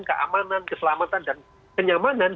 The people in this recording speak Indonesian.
keamanan keselamatan dan kenyamanan